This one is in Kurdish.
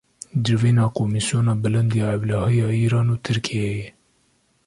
Civîna komîsyona bilind ya ewlehiya Îran û Tirkiyeyê